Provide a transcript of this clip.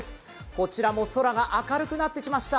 こちらも空が明るくなってきました。